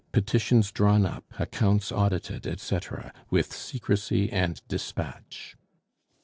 Petitions Drawn Up, Accounts Audited, Etc. _With Secrecy and Dispatch.